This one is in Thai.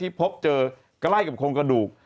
พบเจอใกล้กับโครงกระดูก